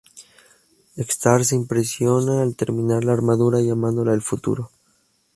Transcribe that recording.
Stark se impresiona al terminar la armadura, llamándola "el futuro".